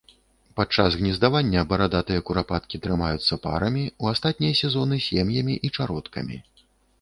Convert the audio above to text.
Падчас гнездавання барадатыя курапаткі трымаюцца парамі, у астатнія сезоны сем'ямі і чародкамі.